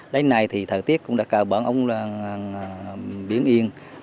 lấy nay thì thời tiết cũng đã cao bản ông biển yên